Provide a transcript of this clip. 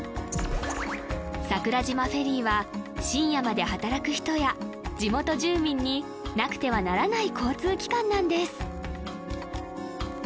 桜島フェリーは深夜まで働く人や地元住民になくてはならない交通機関なんです